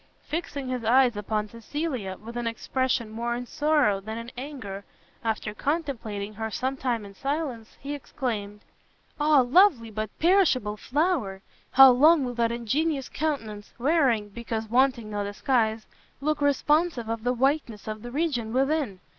Fixing his eyes upon Cecilia, with an expression more in sorrow than in anger, after contemplating her some time in silence, he exclaimed, "Ah lovely, but perishable flower! how long will that ingenuous countenance, wearing, because wanting no disguise, look responsive of the whiteness of the region within?